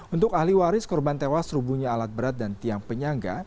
untuk ahli waris korban tewas rubuhnya alat berat dan tiang penyangga